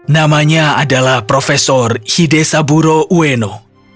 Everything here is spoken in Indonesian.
namanya adalah profesor hidesaburo ueno